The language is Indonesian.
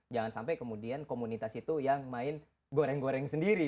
jangan sampai kemudian komunitas itu yang main goreng goreng sendiri